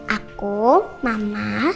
aku mama sama adik